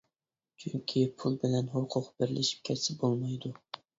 چۈنكى پۇل بىلەن ھوقۇق بىرلىشىپ كەتسە بولمايدۇ.